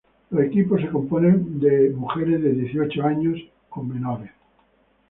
Los equipos se componen por mujeres de dieciocho años o menos.